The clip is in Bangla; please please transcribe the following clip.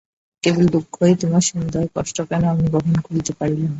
কেবল দুঃখ এই, তােমার সমুদয় কষ্ট কেন আমি বহন করিতে পারিলাম না?